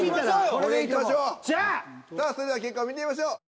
さあそれでは結果を見てみましょう。